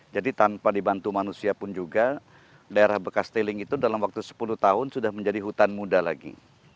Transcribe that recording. jadi tanpa dibantu manusia pun juga daerah bekas tailing itu dalam waktu sepuluh tahun sudah menjadi hutan muda lagi